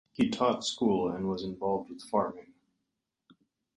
He taught school and was involved with farming.